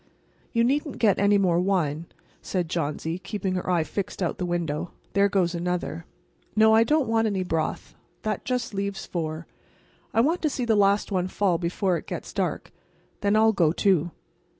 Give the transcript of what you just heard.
"You needn't get any more wine," said Johnsy, keeping her eyes fixed out the window. "There goes another. No, I don't want any broth. That leaves just four. I want to see the last one fall before it gets dark. Then I'll go, too."